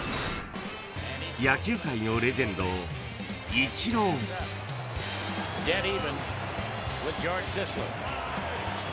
［野球界のレジェンドイチロー］